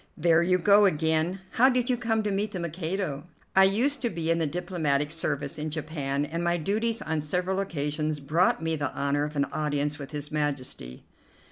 "There you go again. How did you come to meet the Mikado?" "I used to be in the diplomatic service in Japan, and my duties on several occasions brought me the honor of an audience with His Majesty."